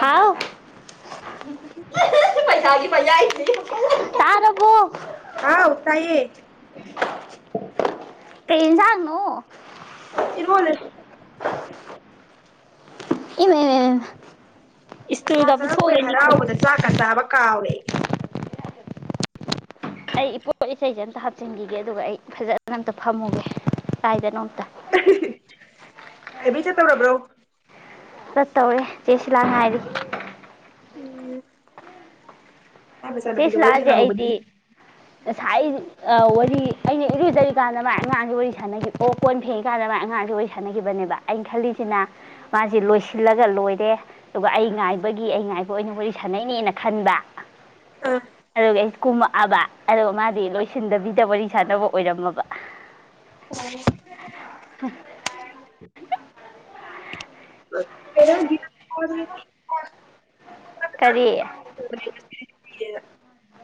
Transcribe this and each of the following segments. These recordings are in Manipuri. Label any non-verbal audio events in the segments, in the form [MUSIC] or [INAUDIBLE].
ꯍꯥꯎ ꯇꯥꯔꯕꯣ ꯍꯥꯎ ꯇꯥꯏꯌꯦ ꯀꯩ ꯑꯦꯟꯁꯥꯡꯅꯣ ꯏꯔꫭꯜꯂꯦ [UNINTELLIGIBLE] ꯄꯩꯁꯥ ꯏꯁꯇꯨꯜꯒ ꯆꯪꯉꯛꯄꯩ ꯍꯔꯥꯎꯕꯗ ꯆꯥꯛꯀ ꯆꯥꯕ ꯀꯥꯎꯔꯦ ꯑꯩ ꯑꯩ ꯏꯄꫭꯠ ꯏꯆꯩꯖꯦ ꯇ ꯍꯥꯞꯆꯤꯟꯈꯤꯒꯦ ꯑꯗꯨꯒ ꯑꯩ ꯐꯖꯅ ꯑꯝꯇ ꯐꯝꯃꯨꯒꯦ ꯀꯥꯏꯗꯅꯣꯝ ꯂꯥꯏꯕ꯭ꯔꯦꯔꯤ ꯆꯠꯇꯧꯔꯕ꯭ꯔꯣ ꯆꯠꯇꯧꯔꯦ ꯆꯦ ꯁꯤꯂꯥ ꯉꯥꯏꯔꯤ ꯎꯝ ꯑꯩ ꯆꯦ ꯃꯆꯥꯅꯨꯄꯤꯗꯣ ꯋꯥꯔꯤ ꯁꯤꯂꯥꯁꯦ ꯑꯩꯗꯤ ꯁꯥꯟꯅꯍꯧꯕꯅꯤꯅꯦ ꯉꯁꯥꯏ ꯑ ꯋ ꯁꯤ ꯑꯩꯅ ꯏꯔꯨꯖꯔꯤꯀꯥꯟꯗ ꯃꯥꯏ ꯑꯉꯥꯡꯁꯦ ꯋꯥꯔꯤ ꯁꯥꯟꯅꯈꯤꯕ ꯑꯣ ꯀꯣꯟ ꯐꯦꯡꯉꯤꯀꯥꯟꯗ ꯃꯥꯏ ꯑꯉꯥꯡꯁꯤ ꯋꯥꯔꯤ ꯁꯥꯟꯅꯈꯤꯕꯅꯦꯕ ꯑꯩꯅ ꯈꯜꯂꯤꯁꯤꯅ ꯃꯥꯁꯦ ꯂꯣꯏꯁꯤꯜꯂꯒ ꯂꯣꯏꯔꯦ ꯑꯗꯨꯒ ꯑꯩ ꯉꯥꯏꯕꯒꯤ ꯑꯩ ꯉꯥꯏꯕ ꯑꯣꯏꯅ ꯋꯥꯔꯤ ꯁꯥꯟꯅꯩꯅꯦꯅ ꯈꯟꯕ ꯑꯥ ꯑꯗꯨꯒꯤ ꯑꯩ ꯀꯨꯝꯛ ꯑꯕ ꯑꯗꯨꯒꯗ ꯃꯥꯗꯤ ꯂꯣꯏꯁꯤꯟꯗꯕꯤꯗ ꯋꯥꯔꯤ ꯁꯥꯟꯅꯕ ꯑꯣꯏꯔꯝꯃꯕ [UNINTELLIGIBLE] [UNINTELLIGIBLE] [UNINTELLIGIBLE] ꯀꯔꯤ [UNINTELLIGIBLE]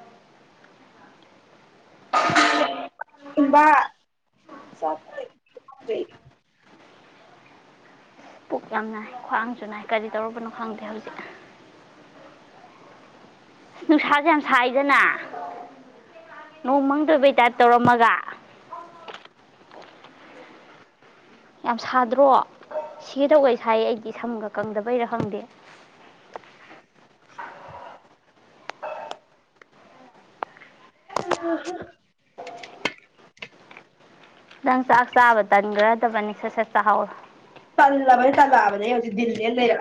[UNINTELLIGIBLE] ꯄꯨꯛ ꯌꯥꯝ ꯅꯥꯏ ꯈ꯭ꯋꯥꯡꯁꯨ ꯅꯥꯏ ꯀꯔꯤ ꯇꯧꯔꯨꯕꯅꯣ ꯈꯪꯗꯦ ꯍꯧꯖꯤꯛ ꯅꯨꯡꯁꯥꯁꯦ ꯌꯥꯝ ꯁꯥꯏꯗꯅ ꯅꯣꯡ ꯃꯪꯗꯣꯏꯕꯩ ꯇꯥꯏꯞ ꯇꯧꯔꯝꯃꯒ ꯎꯝ ꯌꯥꯝ ꯁꯥꯗ꯭ꯔꯣ ꯁꯤꯗꯧꯒꯩ ꯁꯥꯏ ꯑꯩꯗꯤ ꯁꯝꯒ ꯀꯪꯗꯕꯩꯔ ꯈꯪꯗꯦ ꯑꯍꯥ [INAUDIBLE] ꯅꯪ ꯆꯥꯛ ꯆꯥꯕ ꯇꯟꯈ꯭ꯔꯗꯕꯅꯤ ꯁꯠ ꯁꯠ ꯆꯥꯍꯥꯎꯋ ꯇꯜꯕꯅꯤ ꯇꯜꯥꯕꯅꯦ ꯍꯧꯖꯤꯜꯂꯤ ꯂꯩꯔ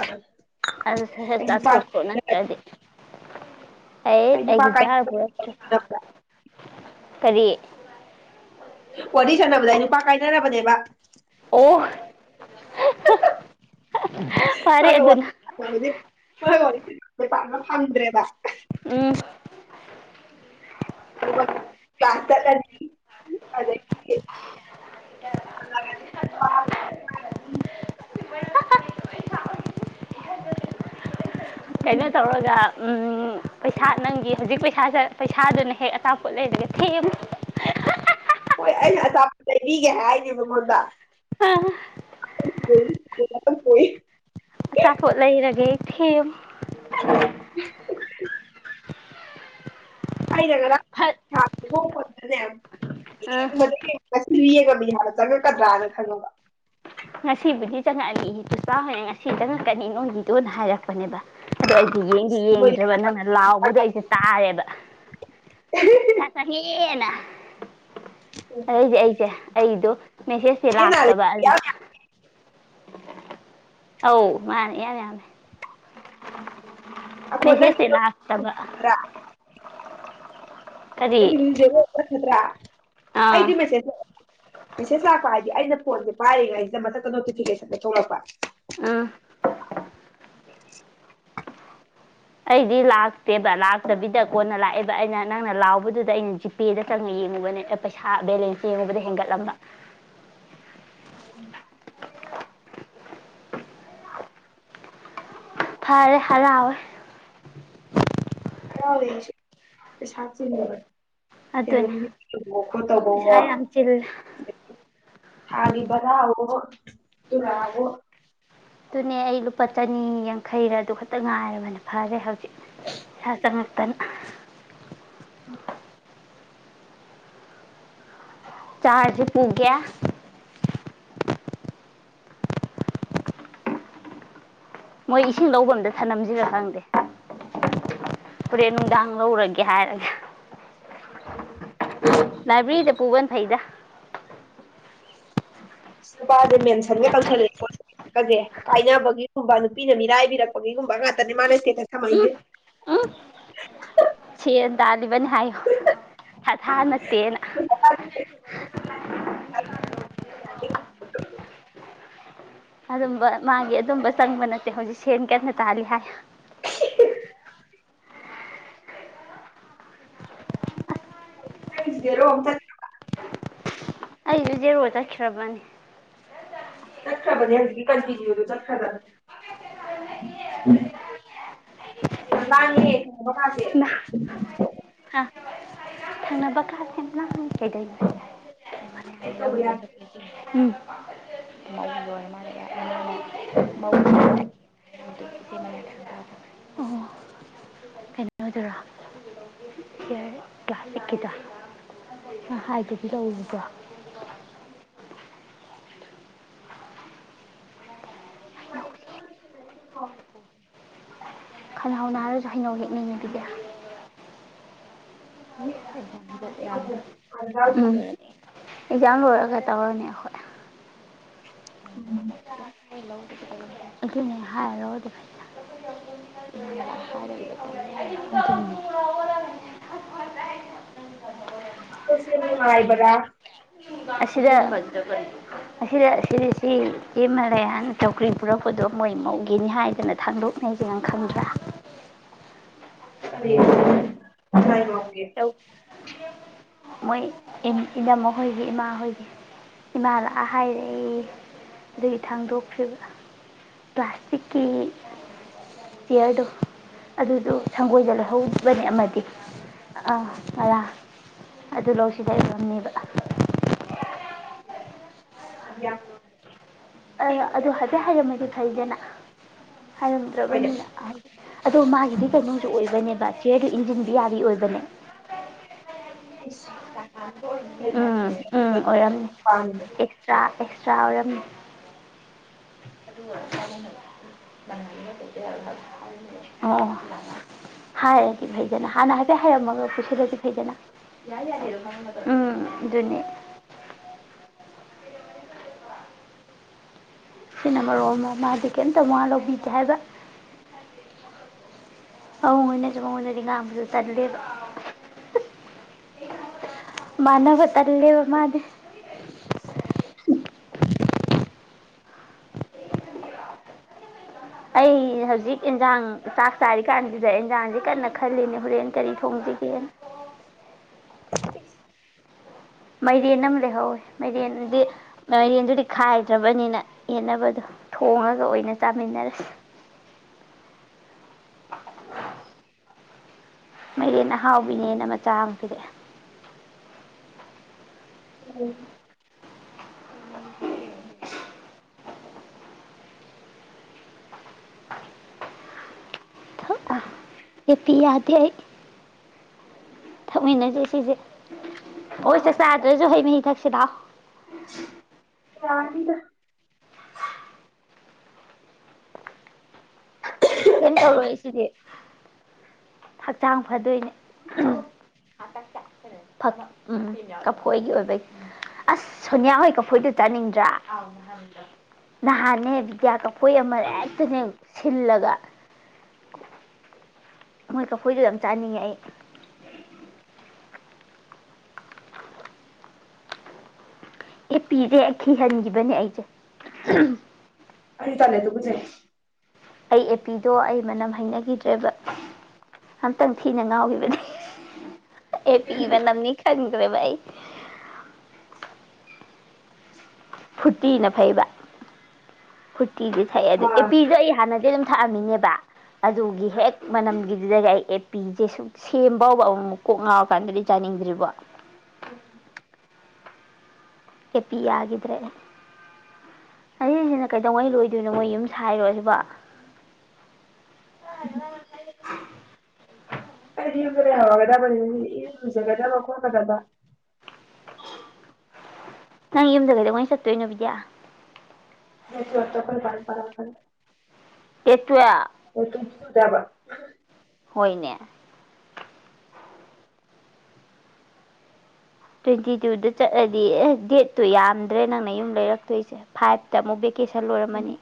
ꯑꯗꯨꯁꯨ ꯍꯦ ꯆꯥꯊꯣꯛꯈ꯭ꯔꯣ ꯅꯠꯇ꯭ꯔꯗꯤ ꯑꯩꯠ ꯑꯩ ꯅꯨꯄꯥ ꯀꯥꯏ ꯑꯩꯒꯤꯖꯔ ꯄꯨꯔꯛꯇ ꯀꯔꯤ ꯋꯥꯔꯤ ꯁꯥꯟꯅꯕꯗꯏ ꯅꯨꯄꯥ ꯀꯥꯏꯅꯅꯕꯅꯦꯕ ꯑꯣ ꯐꯔꯦ ꯃꯥꯥꯡ ꯑꯗ꯭ꯔꯦ ꯁ ꯎꯝ ꯀꯩꯅꯣ [INAUDIBLE] ꯇꯧꯔꯒ ꯄꯩꯁꯥ ꯅꯪꯒꯤ ꯍꯧꯖꯤꯛ ꯄꯩꯁꯥꯥꯁꯦ ꯄꯩꯁꯥꯗꯨꯅ ꯍꯦꯛ ꯑꯇꯥꯡꯄꯣꯠ ꯂꯩꯔꯒ ꯊꯦꯛꯑꯃ ꯍꯣꯏ ꯑꯩꯅ ꯍꯥꯏꯒꯤꯦꯕ ꯃꯗ ꯀꯣꯏ ꯑꯆꯥꯄꯣꯠ ꯂꯩꯔꯒꯦ ꯊꯦꯝ [INAUDIBLE] ꯑꯩꯅ ꯐꯠ ꯉꯔꯥꯡꯍꯗꯅꯦ ꯑ ꯌꯦ ꯌꯦꯡꯉ ꯕꯤꯍꯥꯔꯗ ꯆꯪꯉꯛꯀꯗ꯭ꯔꯥꯅ ꯈꯪꯉꯕ ꯉꯁꯤꯕꯨꯗꯤ ꯆꯪꯉꯛꯛꯏ ꯆꯆꯥ ꯍꯣꯏꯅ ꯉꯁꯤ ꯆꯪꯉꯛꯀꯅꯤ ꯅꯣꯡꯒꯤꯗꯣꯅ ꯍꯥꯏꯔꯛꯄꯅꯦꯕ ꯑꯗꯣ ꯑꯩꯗꯤ ꯌꯦꯡꯗꯤ ꯏꯁ ꯃꯣꯏꯗꯤ ꯌꯦꯡꯗ꯭ꯔꯕ ꯅꯪꯅ ꯂꯥꯎꯕꯗꯣ ꯑꯩꯁꯦ ꯇꯥꯔꯦꯕ ꯆꯀ ꯍꯦꯟꯅ ꯑꯗꯩꯗꯤ ꯑꯩꯁꯦ ꯑꯩꯗꯣ ꯃꯦꯁꯦꯖꯇꯦ ꯆꯦ ꯅꯥꯔꯤ ꯂꯥꯛꯇꯕ ꯌꯥꯝ ꯑꯗꯨꯗ ꯌꯥꯝ ꯑꯧ ꯃꯥꯅꯦ ꯌꯥꯅꯤꯦ ꯌꯥꯅꯦ [INAUDIBLE] ꯑꯩꯈꯣꯏ ꯅꯪꯒꯤꯗꯣ ꯃꯤꯁꯦꯁꯂ ꯍꯥꯏꯥꯛꯇꯕ ꯈꯔ [INAUDIBLE] ꯈꯗ꯭ꯔꯥ ꯑꯥ ꯑꯩꯗꯤ ꯃꯁꯦꯁ ꯃꯦꯁꯦꯁ ꯂꯥꯛꯄ ꯍꯥꯏꯗꯤ ꯑꯩꯅ ꯐꯣꯟꯁꯦ ꯄꯥꯏꯔꯤꯉꯩꯁꯤꯗ ꯃꯊꯪꯗ ꯅꯣꯇꯤꯐꯤꯀꯦꯁꯟꯗ ꯊꯣꯛꯂꯛꯄ ꯑꯥ ꯑꯩꯗꯤ ꯂꯥꯛꯇꯦꯕ ꯂꯥꯛꯇꯕꯤꯗ ꯀꯣꯟꯅ ꯂꯥꯛꯑꯦꯕ ꯑꯩꯅ ꯅꯪꯅ ꯂꯥꯎꯕꯗꯨꯗ ꯑꯩꯅ ꯖꯤꯄꯦꯗ ꯆꯪꯅ ꯌꯦꯡꯉꯨꯕꯅꯦ ꯄꯩꯁꯥ ꯕꯦꯂꯦꯟꯁ ꯌꯦꯡꯉꯨꯕꯗ ꯍꯦꯟꯒꯠꯂꯝꯕ ꯑꯣ ꯐꯔꯦ ꯍꯔꯋꯦ ꯍꯁ ꯁꯥ ꯆꯤꯟ ꯂꯩꯕ ꯑꯗꯨꯅꯤ ꯍꯣ ꯈꯣꯠꯇꯕ ꯆꯤꯜꯂꯦ ꯊꯥꯒꯤ ꯕꯔꯥ ꯇꯔꯕꯣ ꯑꯗꯨꯅꯦ ꯑꯩ ꯂꯨꯄꯥ ꯆꯅꯤ ꯌꯥꯡꯈꯩꯔ ꯑꯗꯨ ꯈꯛꯇ ꯉꯥꯏꯔꯕꯅ ꯐꯔꯦ ꯍꯧꯖꯤꯛ ꯏꯁꯥ ꯆꯪꯉꯛꯇꯅ ꯎꯝ ꯆꯥꯔꯖꯄꯨꯡꯒꯦ ꯃꯣꯏ ꯏꯁꯤꯡ ꯂꯧꯕꯗꯦ ꯁꯅꯝꯁꯤꯔ ꯈꯪꯗꯦ ꯐꯣꯔꯦꯟ ꯅꯨꯡꯗꯥꯡ ꯂꯧꯔꯒꯦ ꯍꯥꯏꯔꯒꯦ ꯂꯥꯏꯕ꯭ꯔꯦꯔꯤꯗ ꯄꯨꯕꯅ ꯐꯩꯗ ꯅꯨꯄꯥꯁꯦ ꯃꯦꯟꯁꯟꯒ ꯇꯧꯁꯜꯂꯦꯁꯦ ꯀꯥꯏꯅꯕꯒꯤꯒꯨꯝꯕ ꯅꯨꯄꯤꯅ ꯃꯤꯔꯥꯏꯕꯤꯔꯛꯄꯒꯤꯒꯨꯝꯕ ꯉꯥꯛꯇꯅꯦ ꯃꯥꯅ ꯏꯁꯇꯦꯇꯁ ꯊꯝꯃꯛꯏꯁꯦ ꯁꯤ ꯇ ꯕꯅꯤ ꯍꯥꯏꯌꯣ ꯑꯊꯥ ꯅꯠꯇꯦꯅ [UNINTELLIGIBLE] ꯑꯗꯨꯝꯕ ꯃꯥꯒꯤ ꯑꯗꯨꯝꯕ ꯆꯪꯕ ꯅꯠꯇꯦ ꯍꯧꯖꯤꯛ ꯁꯦꯟ ꯀꯟꯅ ꯇꯥꯜꯂꯤ ꯍꯥꯏ [UNINTELLIGIBLE] ꯊ ꯑꯩꯁꯨ ꯖꯦꯔꯣꯏ ꯆꯠꯈ꯭ꯔꯕꯅꯤ ꯆꯠ ꯈꯥꯕꯅꯤ ꯍꯦꯜ ꯀꯟꯇꯨ ꯆꯠ ꯈꯕ ꯎꯝ ꯌꯥꯝ ꯂꯥꯡ ꯉꯦꯍꯦ ꯍꯥ ꯊꯪꯅꯕ ꯀꯥ ꯍꯦꯠꯅ ꯍꯥꯏ ꯀꯩꯀꯩ ꯀꯩ ꯃꯅꯤꯡꯗꯩ ꯇꯧꯕ ꯂꯧꯔꯨꯕ ꯑꯗꯨ ꯌꯥꯗ꯭ꯔꯦ ꯗꯨ ꯒꯤ ꯃꯕꯨꯣꯏ ꯍꯥ ꯃ ꯎꯝ ꯀꯩꯅꯣꯗꯨꯔꯣ ꯍꯤꯌꯔ ꯍꯥꯏꯕꯕꯤꯔꯛꯎꯕ꯭ꯔꯣ [UNINTELLIGIBLE] ꯈꯜꯍꯥꯎꯅ ꯍꯥꯏꯔꯁꯨ ꯍꯩꯅꯧ ꯍꯦꯛꯅꯉꯕꯤꯗ ꯌꯥ ꯗꯦꯗꯥꯥ ꯎꯝ ꯑꯦꯛꯖꯥꯝ ꯂꯣꯢ ꯔꯒꯥ ꯇꯧ ꯔꯥꯅꯤꯌꯦ ꯈꯣꯏ ꯎꯝ ꯏꯅꯦ ꯍꯥꯏ ꯂꯧꯗ ꯐ [UNINTELLIGIBLE] ꯎ ꯋꯥꯈꯜꯁꯦ ꯅꯨꯡꯉꯥꯏ ꯕꯥꯔꯥ ꯑꯁꯤꯗ ꯑꯁꯤꯗ ꯁꯤ ꯁꯤ ꯁꯤꯃ ꯀꯌꯥꯅ ꯇꯧꯀ꯭ꯔꯤ ꯄꯨꯔꯛꯄꯗꯣ ꯃꯣꯏ ꯃꯧꯈꯤꯅꯤ ꯍꯥꯏꯗꯅ ꯊꯥꯡꯗꯣꯛꯅꯩꯁꯤꯅꯪ ꯈꯪꯗ꯭ꯔꯥ ꯃꯥ ꯇꯧ ꯃꯣꯏ ꯏꯅꯝꯍꯣꯏꯒꯤ ꯏꯃꯥꯍꯣꯏꯒꯤ ꯏꯃꯥ ꯂꯥꯛꯑ ꯍꯥꯏꯔꯛꯏ ꯑꯗꯨꯒꯤ ꯊꯥꯡꯗꯣꯛ꯭ꯔꯤꯕ ꯄ꯭ꯂꯥꯁꯇꯤꯛꯀꯤ ꯆꯤꯌꯔꯗꯣ ꯑꯗꯨꯗꯣ ꯁꯪꯒꯣꯏꯗ ꯂꯩꯍꯧꯕꯅꯤ ꯑꯃꯗꯤ ꯑꯥ ꯑꯔꯥ ꯑꯗꯨ ꯂꯧꯁꯤꯗꯔꯝꯅꯦꯕ ꯑ ꯑ ꯑꯗꯨꯗ ꯑꯗꯨꯗꯦ ꯍꯥꯏꯔꯃꯦꯗꯤ ꯐꯩꯗꯅ ꯍꯣꯏꯅꯦ ꯍꯥꯏꯔꯝꯗ꯭ꯔꯕꯅꯤꯅ ꯍꯥꯏꯗꯤ ꯑꯗꯣ ꯃꯥꯒꯤꯗꯤ ꯀꯩꯅꯣꯁꯨ ꯑꯣꯏꯕꯅꯦꯕ ꯆꯤꯌ ꯏꯟꯖꯤꯟ ꯕꯤꯌꯥꯔꯤ ꯑꯣꯏꯕꯅꯦ ꯑꯦꯁ ꯎꯝ ꯎꯝ ꯑꯣꯏꯔꯝꯅꯤ ꯑꯦꯛꯁꯇ꯭ꯔꯥ ꯁꯧꯔꯅꯨ [UNINTELLIGIBLE] ꯑꯣ ꯍꯥꯏꯔꯗꯤ ꯐꯩꯗꯅ ꯍꯥꯟꯅ ꯍꯥꯏꯐꯦꯠ ꯍꯥꯏꯔꯝꯃꯒ ꯄꯨꯁꯤꯜꯂꯗꯤ ꯐꯩꯗꯅ ꯌꯥ ꯌꯥ ꯎꯝ ꯑꯗꯨꯅꯤ ꯁꯤꯅ ꯃꯔꯣ ꯑꯃ ꯃꯥꯗꯤ ꯀꯔꯤꯝꯇ ꯋꯥ ꯂꯧꯕꯤꯒꯦ ꯍꯥꯏꯕ ꯑꯃꯛ ꯑꯣꯏꯅꯁꯨ ꯃꯛ ꯑꯣꯏꯅꯗꯤ ꯉꯥꯡꯕꯁꯨ ꯇꯜꯂꯦꯕ ꯃꯅꯕ ꯇꯜꯂꯦꯕ ꯃꯥꯗꯤ ꯎꯝ [INAUDIBLE] ꯑꯩ ꯍꯧꯖꯤꯛ ꯑꯦꯟꯁꯥꯡ ꯆꯥꯛ ꯆꯥꯔꯤ ꯀꯥꯟꯗꯨꯗ ꯏꯟꯖꯥꯡꯁꯦ ꯀꯟꯅ ꯈꯜꯂꯤꯅꯦ ꯍꯣꯔꯦꯟ ꯀꯔꯤ ꯊꯣꯡꯁꯤꯒꯦꯅ ꯃꯥꯏꯔꯦꯟ ꯑꯃ ꯂꯩꯍꯧꯋꯦ ꯃꯥꯏꯔꯦꯟꯗꯤ ꯃꯥꯏꯔꯦꯟꯗꯨꯗꯤ ꯈꯥꯏꯗ꯭ꯔꯕꯅꯤꯅ ꯌꯦꯠꯅꯕꯗꯣ ꯊꯣꯡꯉꯒ ꯑꯣꯏꯅ ꯆꯥꯃꯤꯟꯅꯔꯁꯤ [UNINTELLIGIBLE] ꯃꯩꯔꯦꯟ ꯑꯍꯥꯎꯕꯤꯅꯦꯅ ꯃꯆꯥ ꯑꯃ ꯄꯤꯔꯛꯑꯦ ꯎꯝ [UNINTELLIGIBLE] ꯅꯦꯠꯇꯤ ꯌꯥꯗꯔꯦ ꯊꯃꯤꯟꯅꯁꯦ ꯁꯤꯁꯦ ꯍꯣꯏꯁꯦ ꯆꯥꯗꯔꯤ ꯍ ꯍꯩꯃꯍꯤ ꯊꯛ ꯁꯤꯗꯥ ꯌꯥ ꯀꯗ ꯀꯩꯅꯣ ꯇꯧꯔꯣꯏꯏ ꯁꯤꯗꯤ ꯍꯛꯆꯥꯡ ꯐꯗꯣꯏꯅꯦ ꯑ ꯎꯝ ꯀꯐꯣꯏꯒꯤ ꯑꯣꯏꯕ ꯑꯁ ꯁꯣꯅꯤꯌꯥ ꯍꯣꯏ ꯀꯐꯣꯏꯗꯨ ꯆꯥꯅꯤꯡꯗ꯭ꯔꯥ ꯅꯍꯥꯟꯅꯦ ꯕꯤꯗ꯭ꯌꯥ ꯍꯣꯏ ꯑꯃ ꯍꯦꯛꯇ ꯁꯤꯜꯂꯒ [UNINTELLIGIBLE] ꯃꯣꯏ ꯀꯐꯣꯏꯁꯨ ꯌꯥꯝ ꯆꯥꯅꯤꯡꯉꯦ ꯑꯩ ꯑꯦ ꯄꯤꯔꯦꯈꯤꯍꯟꯈꯤꯕꯅꯦ ꯑꯩꯁꯦ ꯀꯖꯦ ꯑꯩ ꯑꯦꯄꯤꯗꯣ ꯑꯩ ꯃꯅꯝ ꯍꯩꯅꯈꯤꯗ꯭ꯔꯦꯕ ꯑꯝꯇꯪ ꯊꯤꯅ ꯉꯥꯎꯈꯤꯕꯗꯩ ꯑꯦꯄꯤ ꯃꯅꯝꯅꯤ ꯆꯗ꯭ꯔꯦꯚꯥꯏ ꯑꯩ ꯐꯨꯔꯇꯤꯅ ꯐꯩꯕ ꯐꯨ ꯎꯇꯤꯁꯨ ꯊꯛꯑꯦ ꯑꯗꯨ ꯑꯥ ꯑꯦꯄꯤꯁꯨ ꯑꯩ ꯍꯥꯟꯅꯗꯤ ꯑꯗꯨꯝ ꯊꯛꯑꯝꯃꯤꯅꯦꯕ ꯑꯗꯨꯒꯤ ꯍꯦꯛ ꯃꯅꯝꯒꯤ ꯑꯗꯨꯗꯒꯤ ꯑꯩ ꯑꯦꯄꯤꯁꯦ ꯁꯨꯝ ꯁꯦꯝ ꯐꯥꯎꯕ ꯑꯃꯃꯨꯛ ꯀꯣꯛ ꯉꯥꯎꯔꯀꯥꯟꯗꯗꯤ ꯆꯥꯅꯤꯡꯗ꯭ꯔꯤꯕ ꯎꯝ ꯑꯄꯤ ꯌꯥꯈꯤꯗ꯭ꯔꯦ ꯑꯁꯤꯅ ꯀꯩꯗꯧꯉꯩ ꯂꯣꯏꯗꯣꯏꯅꯣ ꯃꯣꯏ ꯌꯨꯝ ꯁꯥꯏꯔꯣ ꯁꯤꯕꯣ ꯑꯩꯗꯤ ꯌꯨꯝꯗ ꯂꯩꯍꯧꯔꯒꯗꯕꯅꯤ ꯃꯤ ꯏꯔꯨ ꯂꯨꯖꯒꯗꯕ ꯈꯣꯠꯀꯗꯕ ꯅꯪ ꯌꯨꯝꯗ ꯀꯩꯗꯧꯉꯩ ꯆꯠꯇꯣꯏꯅꯣ ꯕꯤꯗꯤꯌꯥ ꯅꯇ ꯑꯣꯏ ꯇꯈꯣꯏ ꯄꯔꯛꯀꯅꯤ ꯗꯦꯠ ꯇꯨꯌꯦꯞ ꯇꯕ꯭ꯔꯥ ꯍꯣꯏꯅꯦ ꯇ꯭ꯋꯦꯟꯇꯤ ꯇꯨꯗ ꯆꯠꯂꯗꯤ ꯑꯦ ꯗꯦꯠꯇꯣ ꯌꯥꯝꯗ꯭ꯔꯦ ꯅꯪꯅ ꯌꯨꯝ ꯂꯩꯔꯛꯇꯣꯏꯁꯦ ꯐꯥꯏꯚꯇ ꯑꯃꯨꯛ ꯀꯦꯁꯜ ꯂꯣꯏꯔꯝꯃꯅꯤ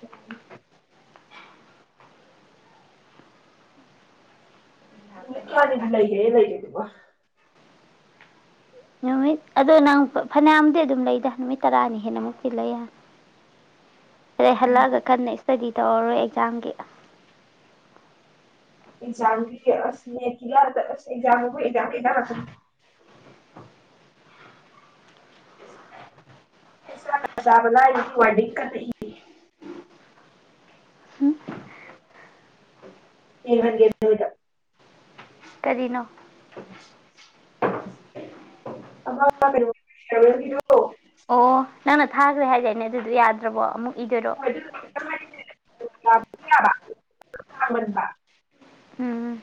ꯌꯥꯅꯤ ꯅꯨꯃꯤꯠ ꯀꯌꯥꯅꯤꯕꯨ ꯂꯩꯒꯦ ꯂꯩꯒꯦꯗꯨꯕꯣ ꯅꯨꯃꯤꯠ ꯑꯗꯣ ꯅꯪ ꯐꯅꯌꯥꯝꯗꯤ ꯑꯗꯨꯝ ꯂꯩꯗ ꯅꯨꯃꯤꯠ ꯇꯔꯥꯅꯤ ꯍꯦꯟꯅꯃꯨꯛꯇꯤ ꯂꯩꯌꯦ ꯔꯦ ꯍꯜꯂꯒ ꯀꯟꯅꯩꯁ ꯏꯁꯇꯗꯤ ꯇꯧꯔꯔꯣꯏ ꯑꯦꯛꯖꯥꯝꯒꯤ ꯑꯦꯛꯖꯥꯝꯒꯤ ꯑꯁ ꯅꯦꯠꯀꯤ ꯑꯦꯛꯖꯥꯝꯕꯨ ꯑꯦꯛꯖꯥꯝ ꯉꯥꯛꯇꯅꯤ ꯆꯥꯛꯀ ꯆꯥꯕ ꯂꯥꯏꯔꯤ [UNINTELLIGIBLE] ꯀꯟꯅ ꯏꯔꯤ ꯎꯝ ꯌꯦꯡꯍꯟꯒꯦ ꯅꯣꯏꯗ ꯀꯔꯤꯅꯣ ꯑꯃ ꯀꯩꯅꯣ ꯆꯤꯌꯔꯃꯦꯟꯒꯤꯗꯣ ꯑꯣ ꯅꯪꯅ ꯊꯥꯈ꯭ꯔꯦ ꯍꯥꯏꯗꯥꯏꯅꯦ ꯑꯗꯨꯗꯣ ꯌꯥꯗ꯭ꯔꯕꯣ ꯑꯃꯨꯛ ꯏꯗꯣꯏꯔꯣ ꯍꯣꯢ ꯑꯗꯨ ꯌꯥꯕ ꯑꯃꯟꯕ ꯎꯝ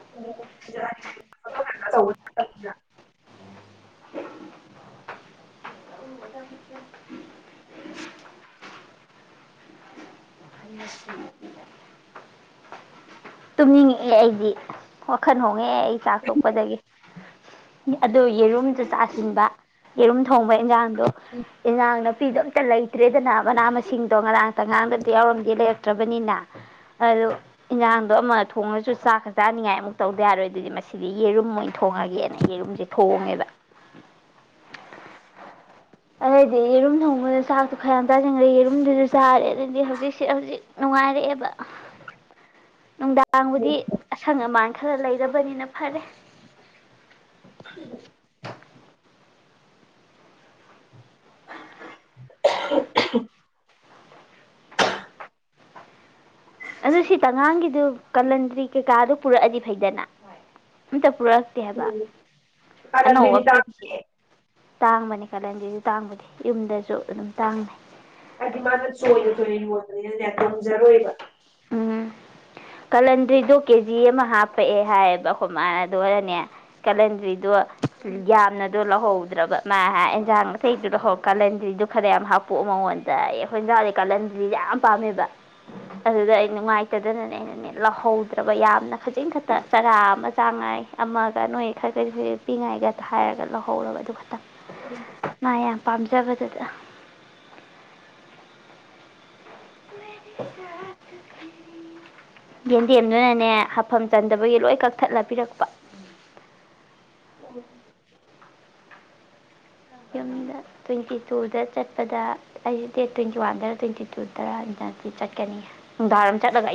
[UNINTELLIGIBLE] ꯑꯆꯧꯕ ꯅꯠꯇꯅꯤꯅ ꯇꯨꯝꯅꯤꯡꯉꯛꯑꯦ ꯑꯩꯗꯤ ꯋꯥꯈꯜ ꯍꯣ ꯍꯦ ꯑꯩ ꯆꯥꯛ ꯇꯣꯛꯄꯗꯒꯤ ꯑꯗꯨ ꯌꯦꯔꯨꯝꯁꯨ ꯆꯥꯁꯤꯟꯕ ꯌꯦꯔꯨꯝ ꯊꯣꯡꯕ ꯏꯟꯖꯥꯡ ꯑꯗꯣ ꯑꯦꯟꯖꯥꯡꯅ ꯐꯤꯗꯣ ꯑꯝꯇ ꯂꯩꯇ꯭ꯔꯦꯗꯅ ꯃꯅꯥ ꯃꯁꯤꯡꯗꯣ ꯉꯔꯥꯡꯇ ꯉꯥꯡꯒ ꯅꯠꯇ꯭ꯔꯕꯅꯤꯅ ꯑꯗꯨ ꯏꯟꯖꯥꯡꯗꯣ ꯑꯃ ꯊꯣꯡꯉꯁꯨ ꯆꯥꯛꯀ ꯆꯥꯅꯤꯡꯉꯥꯏ ꯑꯃꯨꯛ ꯇꯧꯗ ꯌꯥꯔꯣꯏ ꯑꯗꯨꯗꯤ ꯃꯁꯤꯗꯤ ꯌꯦꯔꯨꯝ ꯑꯣꯏꯅ ꯊꯣꯡꯉꯒꯦꯅ ꯌꯦꯔꯨꯝꯁꯦ ꯊꯣꯡꯉꯦꯕ ꯑꯗꯨꯗꯩꯗꯤ ꯌꯦꯔꯨꯝ ꯊꯣꯡꯕꯗ ꯆꯥꯛꯇꯣ ꯈꯌꯥꯝ ꯆꯥꯁꯤꯅꯤꯡꯈ꯭ꯔꯦ ꯌꯦꯔꯨꯝꯗꯨꯁꯨ ꯆꯥꯔꯦ ꯑꯗꯨꯗꯩꯗꯤ ꯑꯗꯨꯏ ꯁꯤ ꯍꯧꯖꯤꯛ ꯅꯨꯡꯉꯥꯏꯔꯛꯑꯦꯕ ꯅꯨꯡꯗꯥꯡꯕꯨꯗꯤ ꯑꯁꯪ ꯑꯃꯥꯟ ꯈꯔ ꯂꯩꯔꯕꯅꯤꯅ ꯐꯔꯦ ꯎ [UNINTELLIGIBLE] ꯑꯗꯨ ꯁꯤ ꯇꯉꯥꯡꯒꯤꯗꯨ ꯀꯍꯟꯗ꯭ꯔꯤ ꯀꯩꯀꯥꯗꯨ ꯄꯨꯔꯛꯑꯗꯤ ꯐꯩꯗꯅ ꯑꯇ ꯄꯨꯔꯛꯇꯦ ꯍꯥꯏꯕ ꯑꯅꯧꯕ ꯀꯥꯔꯟꯗꯨꯒꯤ ꯄꯦꯠꯁꯤ ꯇꯥꯡꯕꯅꯦ ꯇꯥꯡꯕꯅꯦ ꯀꯥꯂꯟꯗꯁꯨ ꯇꯥꯡꯕꯅꯦ ꯌꯨꯝꯗꯁꯨ ꯑꯗꯨꯝ ꯇꯥꯡꯉ ꯑꯗꯤ ꯃꯥ ꯆꯣ ꯇ ꯇꯝꯖꯔꯣꯏꯕ ꯎꯝ ꯀꯥꯂꯟꯗ꯭ꯔꯤꯗꯣ ꯀꯦꯖꯤ ꯑꯃ ꯍꯥꯞꯄꯛꯑꯦ ꯍꯥꯏꯌꯦꯕ ꯑꯩꯈꯣꯏ ꯃꯥ ꯑꯗꯨ ꯑꯣꯏꯔꯅꯦ ꯀꯦꯂꯦꯟꯗ꯭ꯔꯤꯗꯣ ꯌꯥꯝꯅꯗꯣ ꯂꯧꯍꯧ ꯔꯕ ꯃꯥ ꯑꯦꯟꯖꯥꯡ ꯑꯇꯩꯗꯨꯗ ꯍꯣꯏ ꯀꯥꯂꯟꯗ꯭ꯔꯤꯗꯨ ꯈꯔ ꯌꯥꯝ ꯍꯥꯞꯄꯣꯛꯑꯣ ꯃꯉꯣꯟꯗ ꯑꯦ ꯈ‌ꯣꯏ ꯏꯟꯖꯥꯡꯗꯤ ꯀꯥꯂꯟꯗ꯭ꯔꯤꯁ‌ꯦ ꯌꯥꯝ ꯄꯥꯝꯃꯦꯕ ꯑꯗꯨꯗ ꯑꯩ ꯅꯨꯡꯉꯥꯏꯇꯗꯅꯅꯦ ꯑꯩꯅꯅꯦ ꯂꯧꯍꯧꯗ꯭ꯔꯕ ꯌꯥꯝꯅ ꯈꯖꯤꯛ ꯈꯛꯇ ꯆꯔꯥ ꯑꯃ ꯆꯥꯡꯉꯥꯏ ꯑꯃꯒ ꯅꯣꯏ ꯈꯔ ꯀꯔꯤ ꯈ ꯄꯤꯉꯥꯏꯒ ꯍꯥꯏꯔꯒ ꯂꯧꯍꯧꯔꯕ ꯑꯗꯨ ꯈꯛꯇꯪ ꯎꯝ ꯃꯥ ꯌꯥꯝ ꯄꯥꯝꯖꯕꯗꯨꯗ [UNINTELLIGIBLE] ꯌꯦꯟꯗꯦꯝꯗꯨꯅꯅꯦ ꯍꯥꯐꯝ ꯆꯟꯗꯕꯒꯤ ꯂꯣꯏ ꯀꯛꯊꯠꯂ ꯄꯤꯔꯛꯄ ꯑꯣ ꯌꯨꯝꯗ ꯇ꯭ꯋꯦꯟꯇꯤ ꯇꯨꯗ ꯆꯠꯄꯗ ꯑꯩꯁꯦ ꯗꯦꯠ ꯇ꯭ꯋꯦꯟꯇꯤ ꯋꯥꯟꯗ ꯇ꯭ꯋꯦꯟꯇꯤ ꯇꯨꯗꯔ ꯆꯠꯀꯅꯤ ꯅꯨꯡꯗꯥꯡꯋꯥꯏꯔꯝ ꯆꯠꯂꯒ ꯑꯩ